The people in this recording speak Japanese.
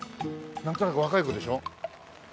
なんとなく若い子でしょ？